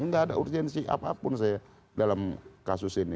nggak ada urgensi apapun saya dalam kasus ini